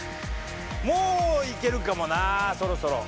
もういけるかもなそろそろ。